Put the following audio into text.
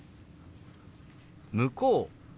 「向こう」。